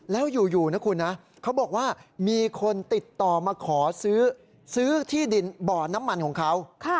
แล้วอยู่นะคุณนะเขาบอกว่ามีคนติดต่อมาขอซื้อที่ดินบ่อน้ำมันของเขา